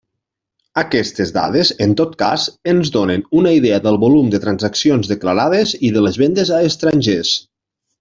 Aquestes dades, en tot cas, ens donen una idea del volum de transaccions declarades i de les vendes a estrangers.